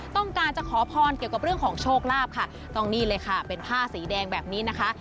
ต้องการจะขอพรเกี่ยวกับเรื่องของโชคลาภค่ะต้องนี่เลยค่ะเป็นผ้าสีแดงแบบนี้นะคะ